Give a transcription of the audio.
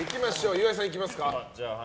岩井さん、いきますか。